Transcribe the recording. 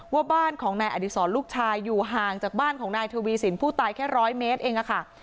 ว่าบ้านของนายอดีศรลูกชายอยู่ห่างจากบ้านของนายทวีสินผู้ตายแค่ร้อยเมตรเองค่ะ